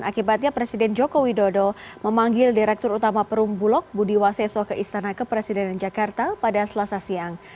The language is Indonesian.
akibatnya presiden joko widodo memanggil direktur utama perumbulok budi waseso ke istana kepresidenan jakarta pada selasa siang